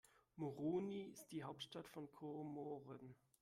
Moroni ist die Hauptstadt von Komoren.